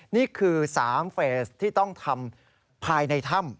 นี่คือ๓เฟสที่ต้องทำภายในถ้ำ